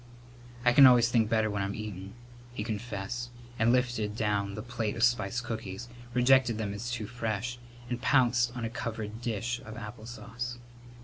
"I can always think better when I'm eatin'," he confessed, and lifted down the plate of spiced cookies, rejected them as too fresh, and pounced on a covered dish of apple sauce.